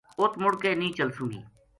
اُت مُڑ کے نیہہ چلسوں گی